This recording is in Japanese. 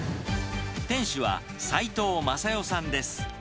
店主は斉藤雅代さんです。